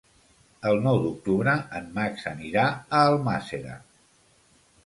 El nou d'octubre en Max anirà a Almàssera.